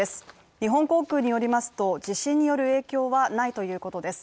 日本航空によりますと地震による影響はないということです。